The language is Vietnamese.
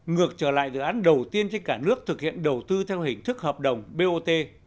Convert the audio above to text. ngược trở lại dự án đầu tiên trên cả nước thực hiện đầu tư theo hình thức hợp đồng bot